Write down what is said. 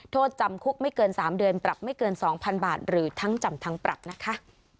โทษจำคุกไม่เกิน๓เดือนปรับไม่เกิน๒๐๐๐บาทหรือทั้งจำทั้งปรับนะคะ